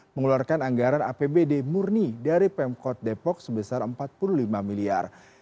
mengeluarkan anggaran apbd murni dari pemkot depok sebesar empat puluh lima miliar rupiah